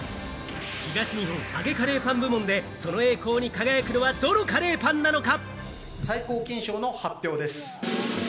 東日本揚げカレーパン部門でその栄光に輝くのはどのカレーパンなのか？